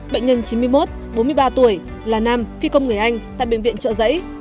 bệnh nhân chín mươi một bốn mươi ba tuổi là nam phi công người anh tại bệnh viện trợ giấy